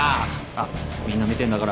あっみんな見てんだから。